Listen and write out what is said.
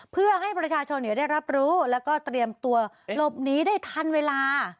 เพื่อให้ประชาชนได้รับรู้แล้วก็เตรียมตัวหลบหนีได้ทันเวลา